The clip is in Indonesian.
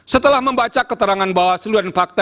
setelah membaca keterangan bahwa seluruh fakta